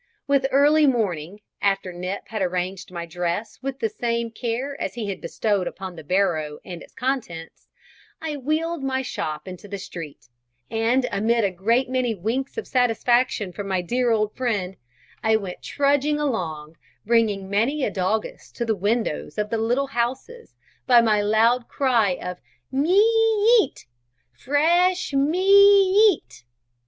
With early morning, after Nip had arranged my dress with the same care as he had bestowed upon the barrow and its contents, I wheeled my shop into the street, and amid a great many winks of satisfaction from my dear old friend, I went trudging along, bringing many a doggess to the windows of the little houses by my loud cry of "Me eet! Fresh me eet!"